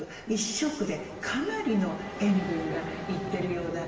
１食でかなりの塩分がいってるような。